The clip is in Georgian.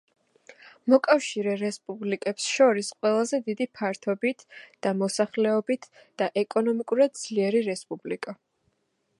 მოკავშირე რესპუბლიკებს შორის ყველაზე დიდი ფართობით და მოსახლეობით და ეკონომიკურად ძლიერი რესპუბლიკა.